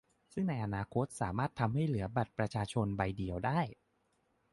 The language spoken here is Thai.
ซึ่งในอนาคตสามารถทำให้เหลือบัตรประชาชนใบเดียวได้